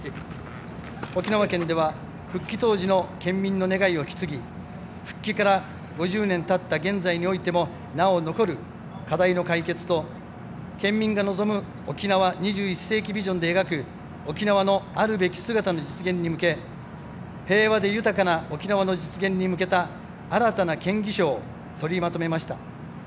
沖縄県では復帰当時の県民の願いを引き継ぎ復帰から５０年たった現在においてもなお残る課題の解決と県民が望む沖縄２１世紀ビジョンで描く沖縄のあるべき姿の実現に向け平和で豊かな沖縄の実現に向けた新たな建議書を取りまとめました。